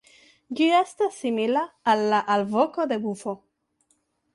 Ĝi estas simila al la alvoko de bufo.